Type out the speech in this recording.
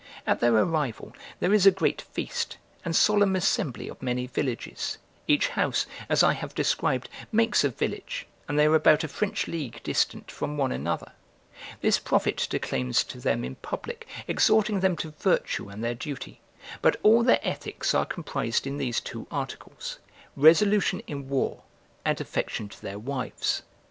At their arrival, there is a great feast, and solemn assembly of many villages: each house, as I have described, makes a village, and they are about a French league distant from one another. This prophet declaims to them in public, exhorting them to virtue and their duty: but all their ethics are comprised in these two articles, resolution in war, and affection to their wives.